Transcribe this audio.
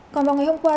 còn vào ngày hôm qua